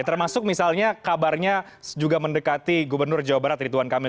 termasuk misalnya kabarnya juga mendekati gubernur jawa barat ridwan kamil